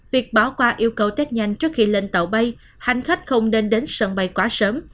việc bỏ qua yêu cầu tết nhanh trước khi lên tàu bay hành khách không nên đến sân bay quá sớm